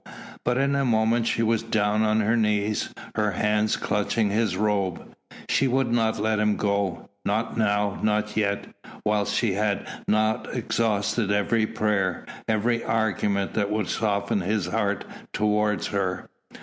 But in a moment she was down on her knees, her hands clutching his robe. She would not let him go, not now, not yet, whilst she had not exhausted every prayer, every argument, that would soften his heart towards her.